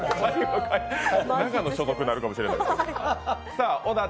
長野所属になるかもしれない。